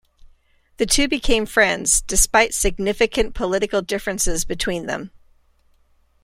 The two became friends, despite significant political differences between them.